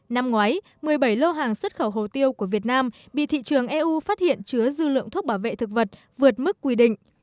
năm ngoái một mươi bảy lô hàng xuất khẩu hồ tiêu của việt nam bị thị trường eu phát hiện chứa dư lượng thuốc bảo vệ thực vật vượt mức quy định